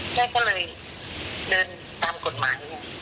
แม่ก็เลยเรื่องตามกฎหมาย